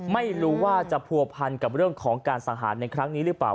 ไม่รู้ว่าจะผัวพันกับเรื่องของการสังหารในครั้งนี้หรือเปล่า